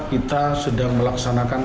kita sedang melaksanakan